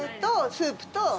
スープと？